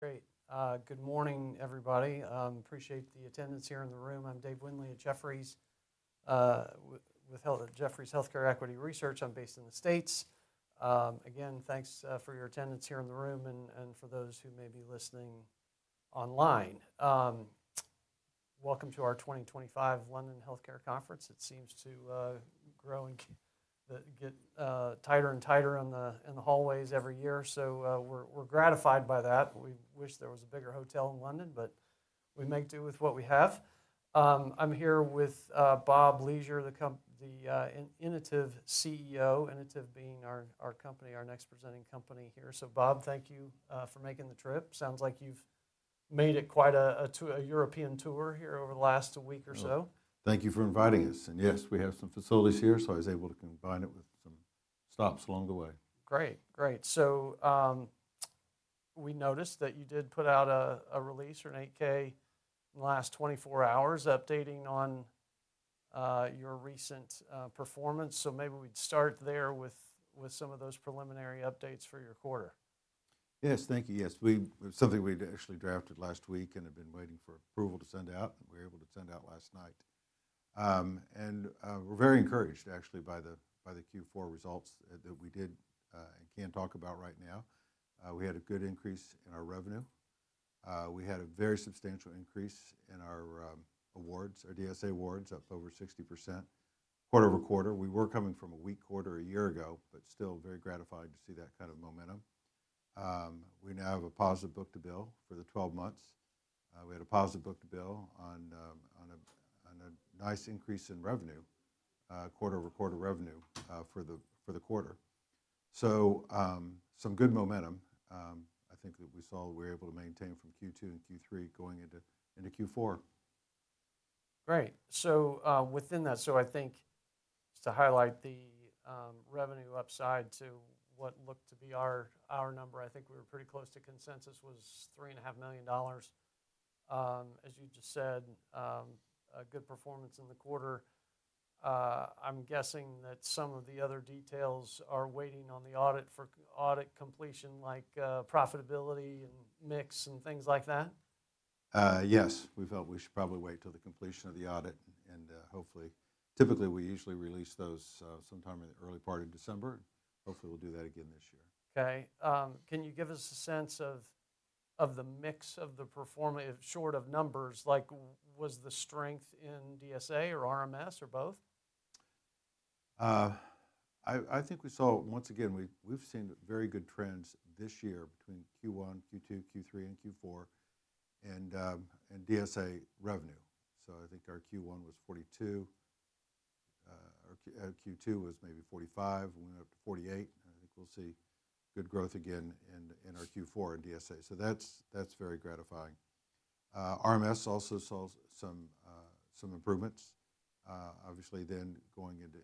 Great. Good morning, everybody. Appreciate the attendance here in the room. I'm Dave Windley at Jefferies with Jefferies Healthcare Equity Research. I'm based in the States. Again, thanks for your attendance here in the room and for those who may be listening online. Welcome to our 2025 London Healthcare Conference. It seems to grow and get tighter and tighter in the hallways every year, so we're gratified by that. We wish there was a bigger hotel in London, but we make do with what we have. I'm here with Bob Leasure, the Inotiv CEO, Inotiv being our company, our next presenting company here. So Bob, thank you for making the trip. Sounds like you've made it quite a European tour here over the last week or so. Thank you for inviting us. Yes, we have some facilities here, so I was able to combine it with some stops along the way. Great, great. We noticed that you did put out a release or an 8-K in the last 24 hours updating on your recent performance. Maybe we'd start there with some of those preliminary updates for your quarter. Yes, thank you. Yes, something we'd actually drafted last week and have been waiting for approval to send out. We were able to send out last night. We are very encouraged, actually, by the Q4 results that we did and can talk about right now. We had a good increase in our revenue. We had a very substantial increase in our awards, our DSA awards, up over 60% quarter over quarter. We were coming from a weak quarter a year ago, but still very gratified to see that kind of momentum. We now have a positive book to bill for the 12 months. We had a positive book to bill on a nice increase in revenue, quarter over quarter revenue for the quarter. Some good momentum, I think, that we saw we were able to maintain from Q2 and Q3 going into Q4. Great. Within that, I think just to highlight the revenue upside to what looked to be our number, I think we were pretty close to consensus was $3.5 million. As you just said, a good performance in the quarter. I'm guessing that some of the other details are waiting on the audit for audit completion, like profitability and mix and things like that. Yes, we felt we should probably wait till the completion of the audit and hopefully typically we usually release those sometime in the early part of December. Hopefully we'll do that again this year. Okay. Can you give us a sense of the mix of the performance short of numbers? Like, was the strength in DSA or RMS or both? I think we saw, once again, we've seen very good trends this year between Q1, Q2, Q3, and Q4 in DSA revenue. I think our Q1 was $42 million, our Q2 was maybe $45 million, went up to $48 million. I think we'll see good growth again in our Q4 in DSA. That's very gratifying. RMS also saw some improvements, obviously, then going into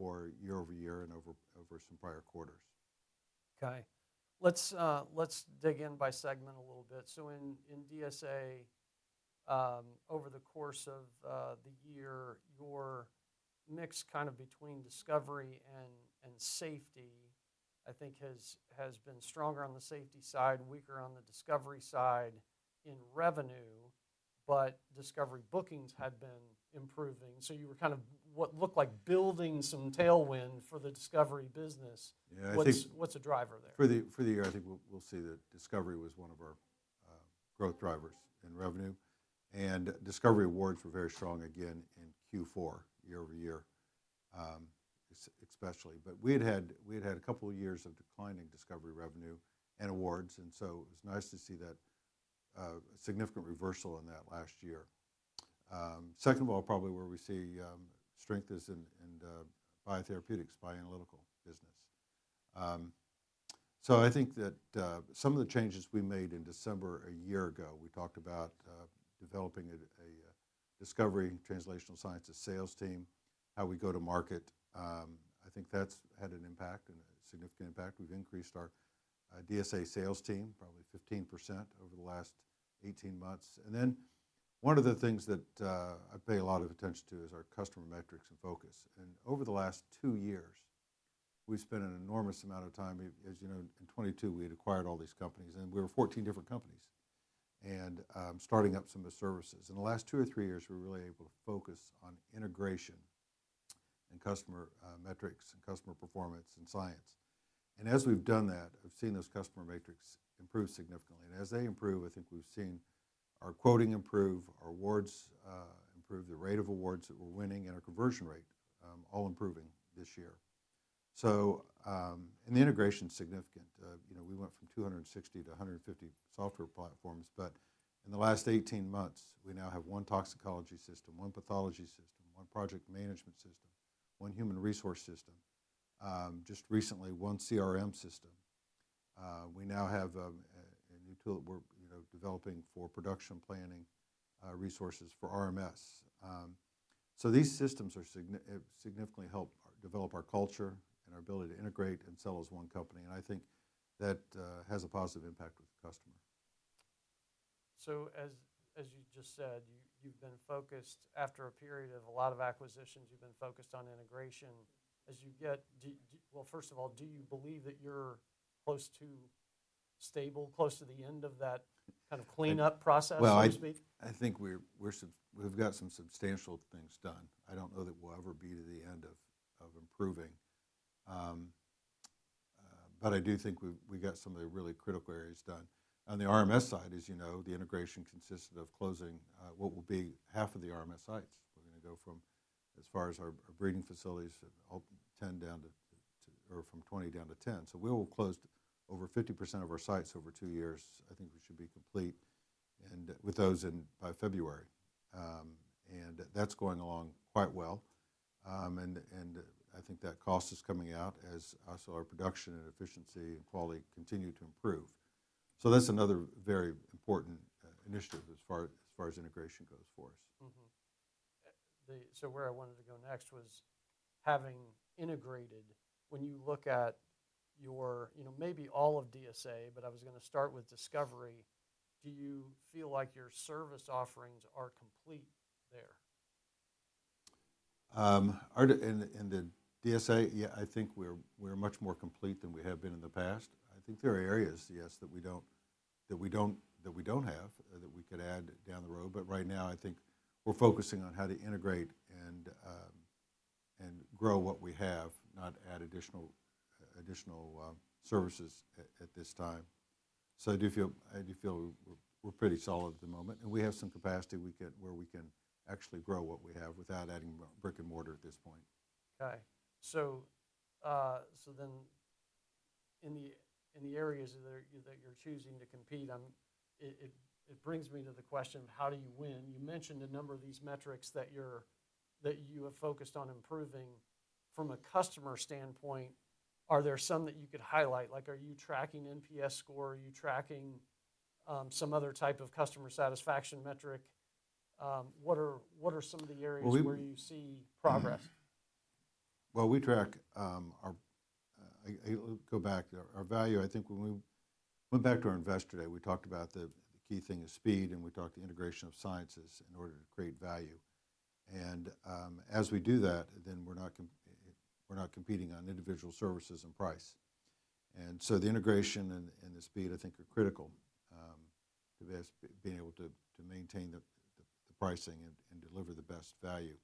Q4 year over year and over some prior quarters. Okay. Let's dig in by segment a little bit. In DSA, over the course of the year, your mix kind of between discovery and safety, I think, has been stronger on the safety side, weaker on the discovery side in revenue, but discovery bookings had been improving. You were kind of what looked like building some tailwind for the discovery business. What's a driver there? For the year, I think we'll see that discovery was one of our growth drivers in revenue. Discovery awards were very strong again in Q4 year over year, especially. We had had a couple of years of declining discovery revenue and awards, and it was nice to see that significant reversal in that last year. Second of all, probably where we see strength is in biotherapeutics, bioanalytical business. I think that some of the changes we made in December a year ago, we talked about developing a discovery translational science to sales team, how we go to market. I think that's had an impact and a significant impact. We've increased our DSA sales team probably 15% over the last 18 months. One of the things that I pay a lot of attention to is our customer metrics and focus. Over the last two years, we've spent an enormous amount of time, as you know, in 2022 we had acquired all these companies and we were 14 different companies and starting up some of the services. In the last two or three years, we were really able to focus on integration and customer metrics and customer performance and science. As we've done that, I've seen those customer metrics improve significantly. As they improve, I think we've seen our quoting improve, our awards improve, the rate of awards that we're winning, and our conversion rate all improving this year. In the integration, significant. We went from 260 to 150 software platforms, but in the last 18 months, we now have one toxicology system, one pathology system, one project management system, one human resource system, just recently one CRM system. We now have a new tool that we're developing for production planning resources for RMS. These systems have significantly helped develop our culture and our ability to integrate and sell as one company. I think that has a positive impact with the customer. As you just said, you've been focused after a period of a lot of acquisitions, you've been focused on integration. As you get, well, first of all, do you believe that you're close to stable, close to the end of that kind of cleanup process, so to speak? I think we've got some substantial things done. I don't know that we'll ever be to the end of improving, but I do think we got some of the really critical areas done. On the RMS side, as you know, the integration consisted of closing what will be half of the RMS sites. We're going to go from, as far as our breeding facilities, 20 down to 10. We will have closed over 50% of our sites over two years. I think we should be complete with those by February. That's going along quite well. I think that cost is coming out as our production and efficiency and quality continue to improve. That's another very important initiative as far as integration goes for us. Where I wanted to go next was having integrated, when you look at your, you know, maybe all of DSA, but I was going to start with discovery, do you feel like your service offerings are complete there? In the DSA, yeah, I think we're much more complete than we have been in the past. I think there are areas, yes, that we don't have that we could add down the road. Right now, I think we're focusing on how to integrate and grow what we have, not add additional services at this time. I do feel we're pretty solid at the moment. We have some capacity where we can actually grow what we have without adding brick and mortar at this point. Okay. So then in the areas that you're choosing to compete, it brings me to the question of how do you win? You mentioned a number of these metrics that you have focused on improving. From a customer standpoint, are there some that you could highlight? Like, are you tracking NPS score? Are you tracking some other type of customer satisfaction metric? What are some of the areas where you see progress? I will go back. Our value, I think when we went back to our investor day, we talked about the key thing is speed, and we talked about the integration of sciences in order to create value. As we do that, then we are not competing on individual services and price. The integration and the speed, I think, are critical to being able to maintain the pricing and deliver the best value.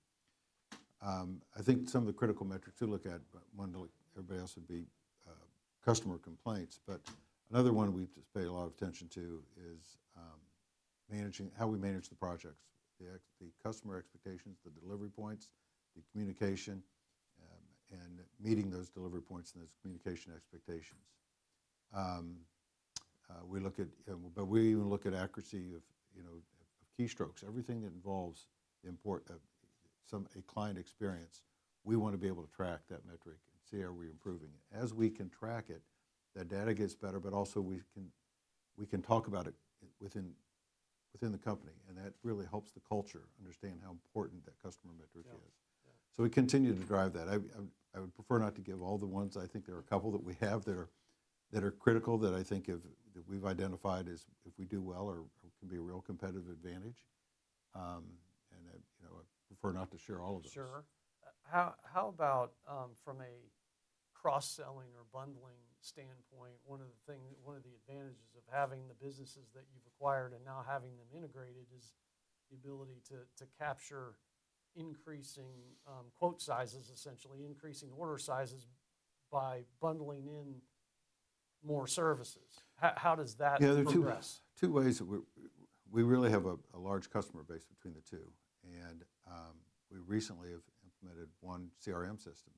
I think some of the critical metrics to look at, one everybody else would be customer complaints. Another one we have just paid a lot of attention to is how we manage the projects, the customer expectations, the delivery points, the communication, and meeting those delivery points and those communication expectations. We look at, but we even look at accuracy of keystrokes, everything that involves a client experience. We want to be able to track that metric and see how we're improving. As we can track it, that data gets better, but also we can talk about it within the company. That really helps the culture understand how important that customer metric is. We continue to drive that. I would prefer not to give all the ones. I think there are a couple that we have that are critical that I think we've identified as, if we do well, can be a real competitive advantage. I prefer not to share all of those. Sure. How about from a cross-selling or bundling standpoint, one of the advantages of having the businesses that you've acquired and now having them integrated is the ability to capture increasing quote sizes, essentially increasing order sizes by bundling in more services. How does that progress? Yeah, there are two ways. We really have a large customer base between the two. We recently have implemented one CRM system.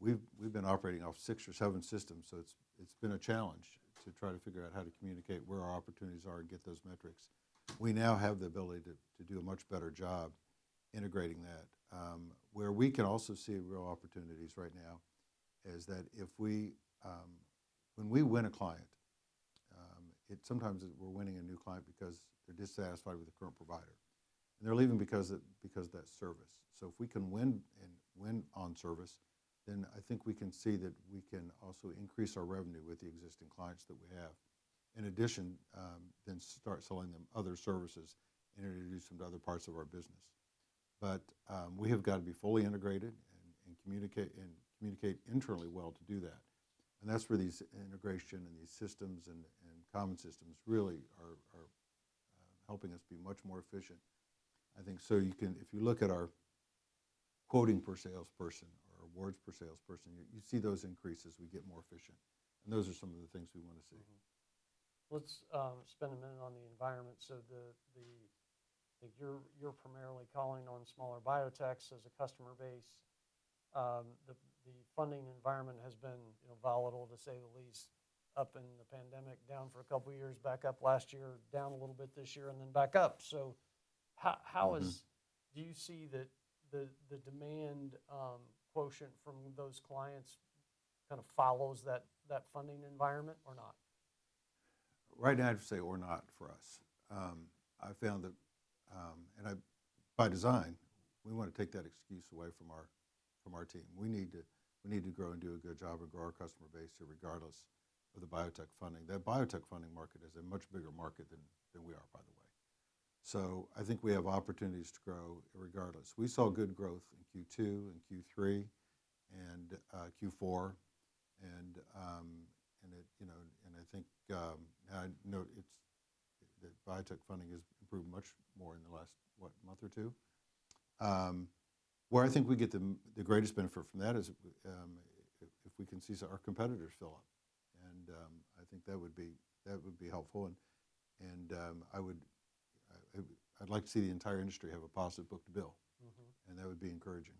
We've been operating off six or seven systems. It's been a challenge to try to figure out how to communicate where our opportunities are and get those metrics. We now have the ability to do a much better job integrating that. Where we can also see real opportunities right now is that if we—when we win a client, sometimes we're winning a new client because they're dissatisfied with the current provider. They're leaving because of that service. If we can win on service, then I think we can see that we can also increase our revenue with the existing clients that we have. In addition, then start selling them other services and introduce them to other parts of our business. We have got to be fully integrated and communicate internally well to do that. That is where these integration and these systems and common systems really are helping us be much more efficient, I think. If you look at our quoting per salesperson or awards per salesperson, you see those increases. We get more efficient. Those are some of the things we want to see. Let's spend a minute on the environment. You're primarily calling on smaller biotechs as a customer base. The funding environment has been volatile, to say the least, up in the pandemic, down for a couple of years, back up last year, down a little bit this year, and then back up. Do you see that the demand quotient from those clients kind of follows that funding environment or not? Right now, I'd say or not for us. I found that, and by design, we want to take that excuse away from our team. We need to grow and do a good job and grow our customer base here regardless of the biotech funding. That biotech funding market is a much bigger market than we are, by the way. I think we have opportunities to grow regardless. We saw good growth in Q2 and Q3 and Q4. I think now I note that biotech funding has improved much more in the last, what, month or two. Where I think we get the greatest benefit from that is if we can see our competitors fill up. I think that would be helpful. I'd like to see the entire industry have a positive book to bill. That would be encouraging.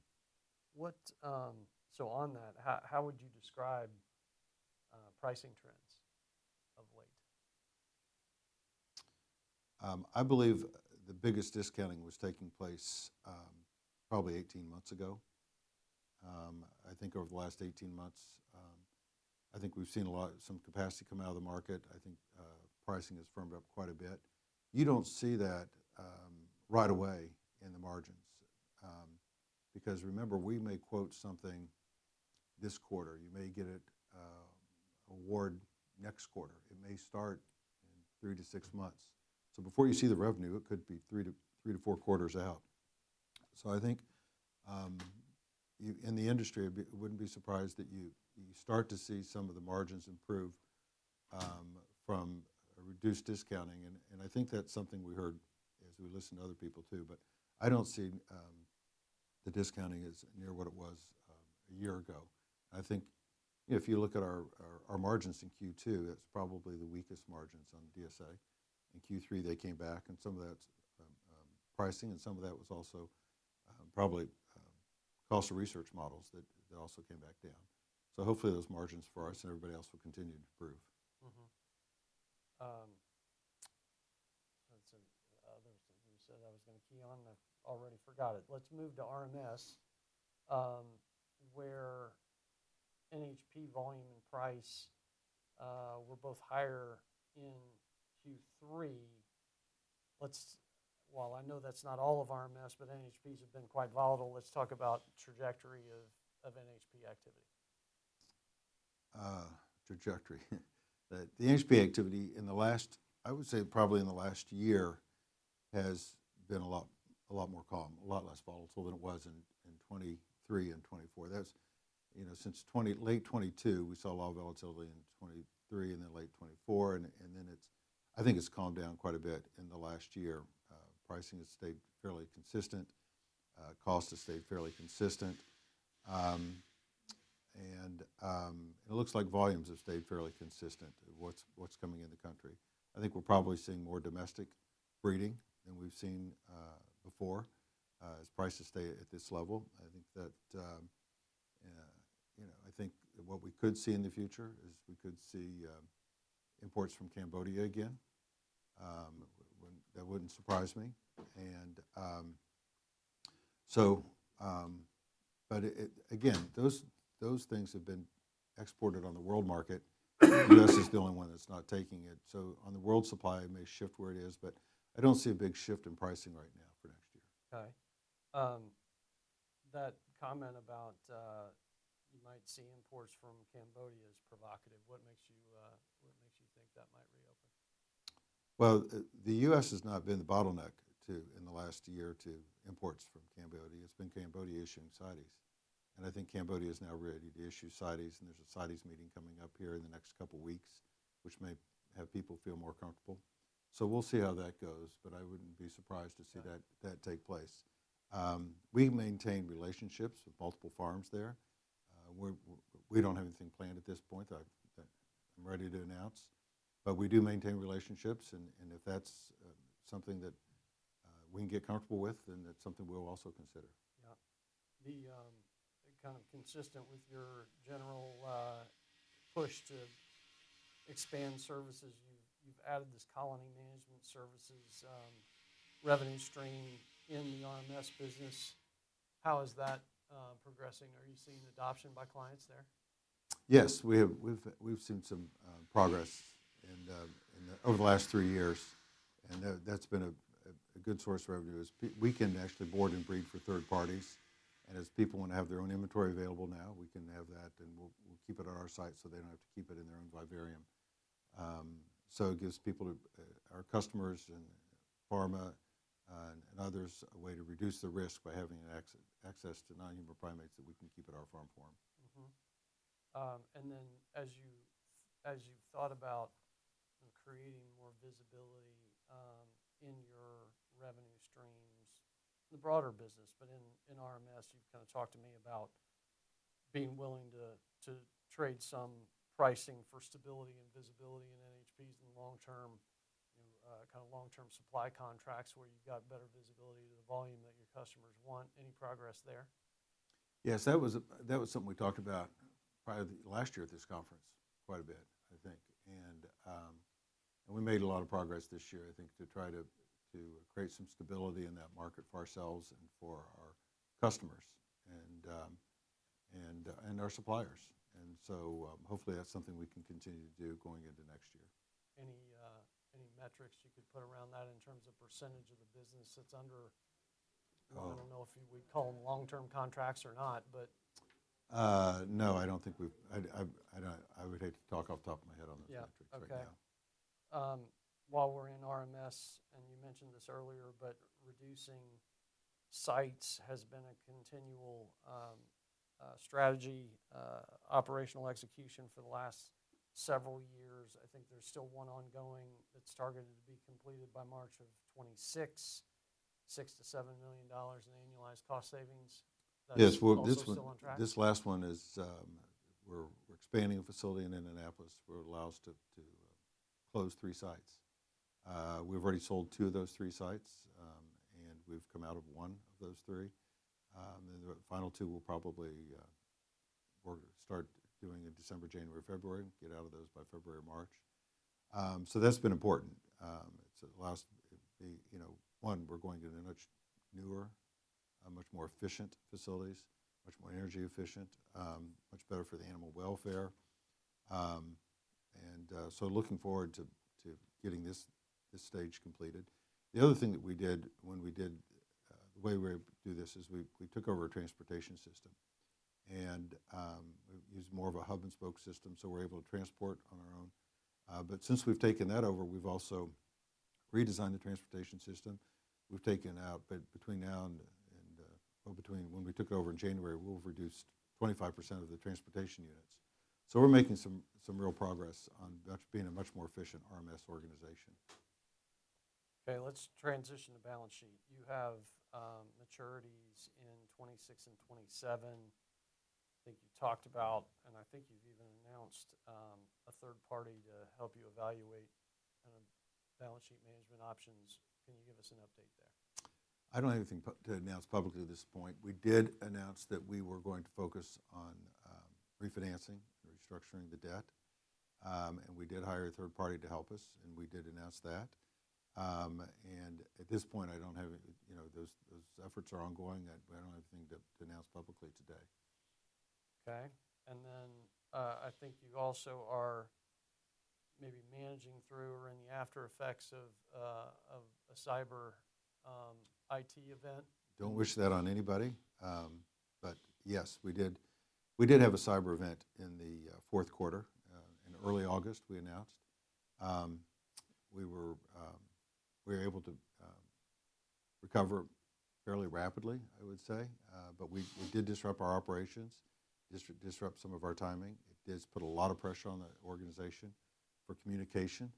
How would you describe pricing trends of late? I believe the biggest discounting was taking place probably 18 months ago. I think over the last 18 months, I think we've seen some capacity come out of the market. I think pricing has firmed up quite a bit. You don't see that right away in the margins. Because remember, we may quote something this quarter. You may get an award next quarter. It may start in three to six months. Before you see the revenue, it could be three to four quarters out. I think in the industry, it wouldn't be surprised that you start to see some of the margins improve from reduced discounting. I think that's something we heard as we listen to other people too. I don't see the discounting as near what it was a year ago. I think if you look at our margins in Q2, that's probably the weakest margins on DSA. In Q3, they came back. Some of that's pricing. Some of that was also probably cost of research models that also came back down. Hopefully those margins for us and everybody else will continue to improve. There was something you said I was going to key on. I already forgot it. Let's move to RMS, where NHP volume and price were both higher in Q3. While I know that's not all of RMS, but NHPs have been quite volatile, let's talk about trajectory of NHP activity. Trajectory. The NHP activity in the last, I would say probably in the last year, has been a lot more calm, a lot less volatile than it was in 2023 and 2024. Since late 2022, we saw a lot of volatility in 2023 and then late 2024. I think it has calmed down quite a bit in the last year. Pricing has stayed fairly consistent. Cost has stayed fairly consistent. It looks like volumes have stayed fairly consistent of what is coming in the country. I think we are probably seeing more domestic breeding than we have seen before. As prices stay at this level, I think that, you know, I think what we could see in the future is we could see imports from Cambodia again. That would not surprise me. Those things have been exported on the world market. The U.S. is the only one that's not taking it. On the world supply, it may shift where it is. I don't see a big shift in pricing right now for next year. Okay. That comment about you might see imports from Cambodia is provocative. What makes you think that might reopen? The U.S. has not been the bottleneck in the last year to imports from Cambodia. It's been Cambodia issuing CITES. I think Cambodia is now ready to issue CITES. There's a CITES meeting coming up here in the next couple of weeks, which may have people feel more comfortable. We'll see how that goes. I wouldn't be surprised to see that take place. We maintain relationships with multiple farms there. We don't have anything planned at this point that I'm ready to announce. We do maintain relationships. If that's something that we can get comfortable with, then that's something we'll also consider. Yeah. Kind of consistent with your general push to expand services, you've added this colony management services revenue stream in the RMS business. How is that progressing? Are you seeing adoption by clients there? Yes. We've seen some progress over the last three years. That's been a good source of revenue. We can actually board and breed for third parties. As people want to have their own inventory available now, we can have that. We'll keep it on our site so they do not have to keep it in their own vivarium. It gives people, our customers and pharma and others, a way to reduce the risk by having access to non-human primates that we can keep at our farm for them. As you have thought about creating more visibility in your revenue streams, the broader business, but in RMS, you have kind of talked to me about being willing to trade some pricing for stability and visibility in NHPs and long-term, kind of long-term supply contracts where you have got better visibility to the volume that your customers want. Any progress there? Yes. That was something we talked about probably last year at this conference quite a bit, I think. We made a lot of progress this year, I think, to try to create some stability in that market for ourselves and for our customers and our suppliers. Hopefully, that is something we can continue to do going into next year. Any metrics you could put around that in terms of percentage of the business that's under? I don't know if we'd call them long-term contracts or not, but. No, I don't think we've—I would hate to talk off the top of my head on those metrics right now. Okay. While we're in RMS, and you mentioned this earlier, but reducing sites has been a continual strategy, operational execution for the last several years. I think there's still one ongoing that's targeted to be completed by March of 2026, $6 million-$7 million in annualized cost savings. Yes. This last one is we're expanding a facility in Indianapolis where it allows us to close three sites. We've already sold two of those three sites. We've come out of one of those three. The final two we'll probably start doing in December, January, February, and get out of those by February or March. That has been important. It has allowed us, one, we're going to much newer, much more efficient facilities, much more energy efficient, much better for the animal welfare. Looking forward to getting this stage completed. The other thing that we did when we did the way we do this is we took over a transportation system. We used more of a hub-and-spoke system. We're able to transport on our own. Since we've taken that over, we've also redesigned the transportation system. We've taken out, but between now and when we took it over in January, we've reduced 25% of the transportation units. We're making some real progress on being a much more efficient RMS organization. Okay. Let's transition to balance sheet. You have maturities in 2026 and 2027. I think you've talked about, and I think you've even announced a third party to help you evaluate balance sheet management options. Can you give us an update there? I don't have anything to announce publicly at this point. We did announce that we were going to focus on refinancing and restructuring the debt. We did hire a third party to help us. We did announce that. At this point, I don't have—those efforts are ongoing. I don't have anything to announce publicly today. Okay. I think you also are maybe managing through or in the aftereffects of a cyber IT event. Don't wish that on anybody. Yes, we did have a cyber event in the fourth quarter. In early August, we announced. We were able to recover fairly rapidly, I would say. It did disrupt our operations, disrupt some of our timing. It did put a lot of pressure on the organization for communication.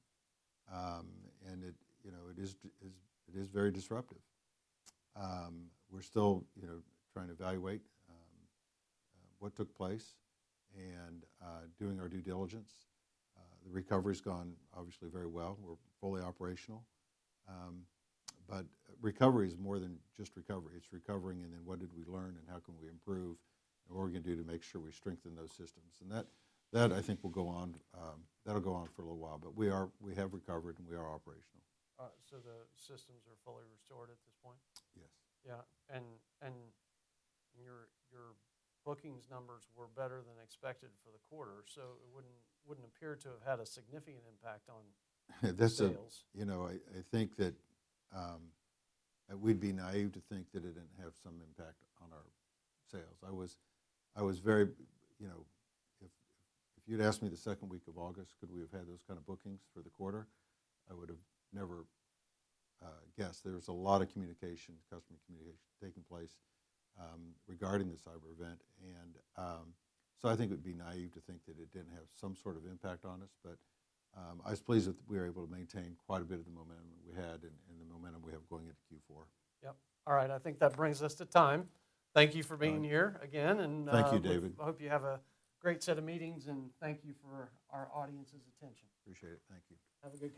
It is very disruptive. We're still trying to evaluate what took place and doing our due diligence. The recovery has gone obviously very well. We're fully operational. Recovery is more than just recovery. It's recovering and then what did we learn and how can we improve and what we can do to make sure we strengthen those systems. That, I think, will go on. That'll go on for a little while. We have recovered and we are operational. Are the systems fully restored at this point? Yes. Yeah. Your bookings numbers were better than expected for the quarter. It would not appear to have had a significant impact on sales. You know, I think that we'd be naive to think that it didn't have some impact on our sales. I was very—if you'd asked me the second week of August, could we have had those kind of bookings for the quarter, I would have never guessed. There was a lot of communication, customer communication taking place regarding the cyber event. I think it would be naive to think that it didn't have some sort of impact on us. I was pleased that we were able to maintain quite a bit of the momentum we had and the momentum we have going into Q4. Yep. All right. I think that brings us to time. Thank you for being here again. Thank you, Dave. I hope you have a great set of meetings. Thank you for our audience's attention. Appreciate it. Thank you. Have a good week.